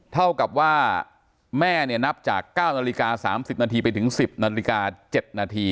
เท่ากับว่าแม่เนี้ยนับจากเก้านาฬิกาสามสิบนาทีไปถึงสิบนาฬิกาเจ็บนาที